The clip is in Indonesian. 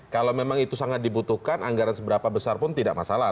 kalau memang itu sangat dibutuhkan anggaran seberapa besar pun tidak masalah